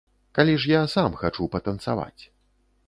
Калі ж я сам хачу патанцаваць.